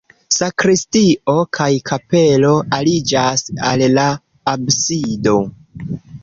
Sakristio kaj kapelo aliĝas al la absido.